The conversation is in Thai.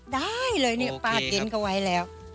ได้เลยนี่ป้ากินเขาไว้แล้ว